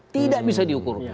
tidak bisa diukur